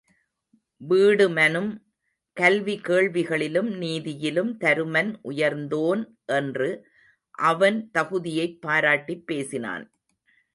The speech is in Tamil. வீடுமனும் கல்வி கேள்விகளிலும் நீதியிலும் தருமன் உயர்ந்தோன் என்று அவன் தகுதியைப் பாராட்டிப் பேசினான்.